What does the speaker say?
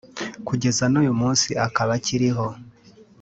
kugeza n’uyu munsi akaba akiriho